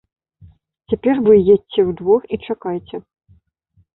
Цяпер вы едзьце ў двор і чакайце.